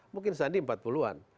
mungkin sandi empat puluh an